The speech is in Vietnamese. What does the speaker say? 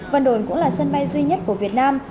vân đồn cũng là sân bay duy nhất của việt nam